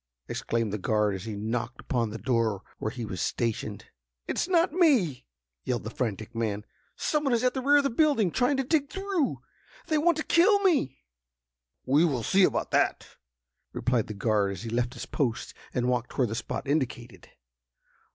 exclaimed the guard, as he knocked upon the door where he was stationed. "It is not me!" yelled the frantic man. "Some one is at the rear of the building, trying to dig through—they want to kill me!" "We will see about that!" replied the guard, as he left his post, and walked toward the spot indicated.